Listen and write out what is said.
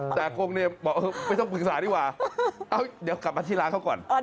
แต่อากงเนี่ยบอกไม่ต้องปรึกษาดีกว่าเอาเดี๋ยวกลับมาที่ร้านเขาก่อน